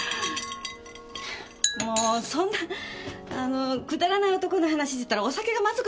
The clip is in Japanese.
もうそんなくだらない男の話してたらお酒がまずくなる。